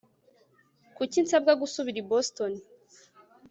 Kuki nsabwa gusubira i Boston